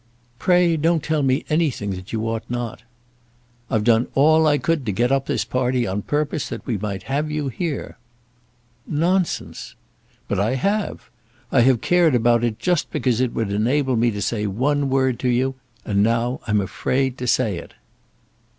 "Pray don't tell me anything that you ought not." "I've done all I could to get up this party on purpose that we might have you here." "Nonsense." "But I have. I have cared about it just because it would enable me to say one word to you; and now I'm afraid to say it."